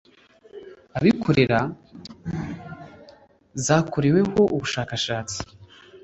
abikorera zakoreweho ubushakashatsi